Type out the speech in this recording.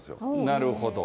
なるほど。